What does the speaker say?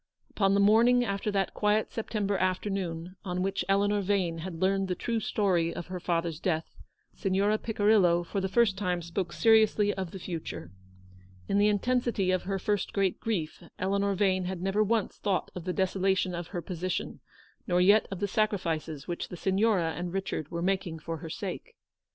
Upon the morning after that quiet September afternoon on which Eleanor Vane had learned the true story of her father's death, Signora Picirillo for the first time spoke seriously of the future. In the intensity of her first great grief, Eleanor Vane had never once thought of the desolation of her position, nor yet of the sacrifices which the Signora and Richard were making for her sake.